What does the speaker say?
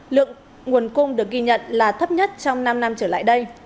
lượng nguồn cung được ghi nhận là thấp nhất trong năm năm trở lại đây